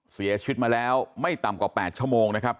เสียชีวิตมาแล้วไม่ต่ำกว่า๘ชั่วโมงนะครับ